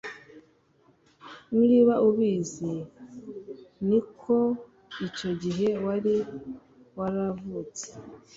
niba ubizi ni uko icyo gihe wari waravutse